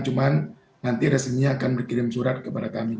cuman nanti resminya akan berkirim surat kepada kami